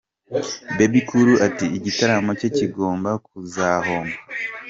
Bebe Cool ati “Igitaramo cye kigomba kuzahomba.